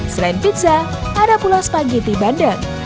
selain pizza ada pula spaghetti bandeng